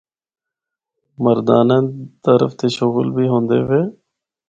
مردانہ طرف دے شغل بھی ہوندے وے۔